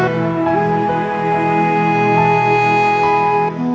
dimana kamu berada nak ribu